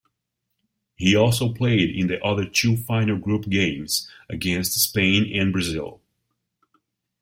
He also played in the other two final group games against Spain and Brazil.